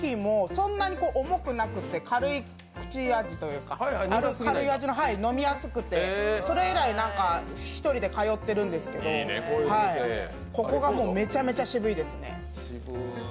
そんなに重くなくて軽い口味というか、軽い味で飲みやすくて、それ以来１人で通ってるんですけどここがめちゃめちゃ渋いですね。